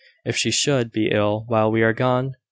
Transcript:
If she should be ill while we are gone!